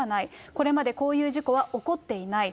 これまでこういう事故は起こっていない。